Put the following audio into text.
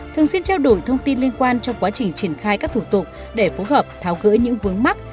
thường xuyên trao đổi thông tin liên quan trong quá trình triển khai các thủ tục để phối hợp tháo gỡ những vướng mắt